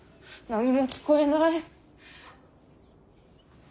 何も聞こえない。